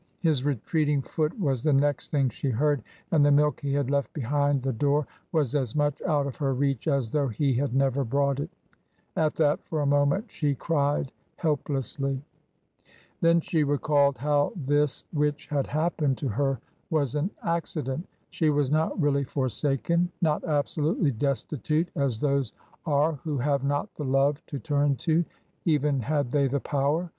His retreating foot was the next thing she heard, and the milk he had left behind the door was as much out of her reach as though he had never brought it At that, for a moment, she cried helplessly. Then she recalled how this which had happened to her was an accident ; she was not really forsaken — not absolutely destitute as those are who have not the love to turn to, even had they the power.